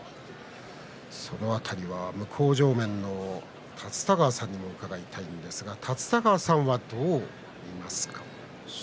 その辺りは向正面の立田川さんにも伺いたいんですがどう見ますか。